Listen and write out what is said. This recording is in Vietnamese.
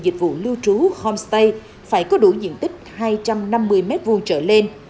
dịch vụ lưu trú homestay phải có đủ diện tích hai trăm năm mươi m hai trở lên